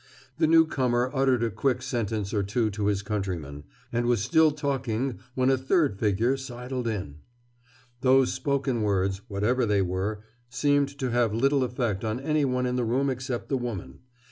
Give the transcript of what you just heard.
The newcomer cluttered a quick sentence or two to his countryman, and was still talking when a third figure sidled in. Those spoken words, whatever they were, seemed to have little effect on any one in the room except the woman.